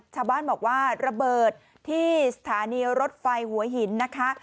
ชาวบ้านบอกว่าระเบิดที่สถานีรถไฟหัวหินนะคะ